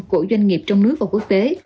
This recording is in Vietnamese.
của doanh nghiệp trong nước và quốc tế